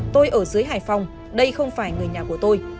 tôi ở dưới hải phòng đây không phải người nhà của tôi